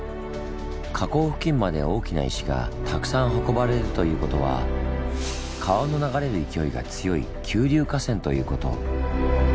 河口付近まで大きな石がたくさん運ばれるということは川の流れる勢いが強い急流河川ということ。